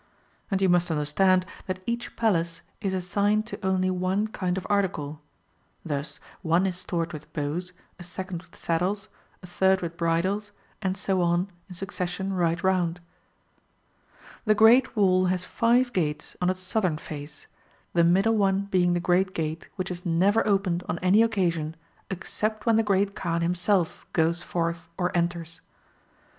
^ And you must understand that each Palace is assigned to only one kind of article ; thus one is stored with bows, a second with saddles, a third with bridles, and so on in succession right round/ Chap. X. THE PALACE OF THE GREAT KAAN 363 The great wall has five gates on its southern face, the middle one being the great gate which is never opened on any occasion except when the Great Kaan himself o oes forth or enters.